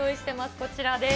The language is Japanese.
こちらです。